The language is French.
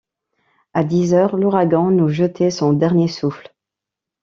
À dix heures, l’ouragan nous jetait son dernier souffle.